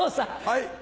はい。